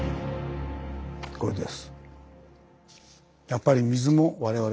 これです。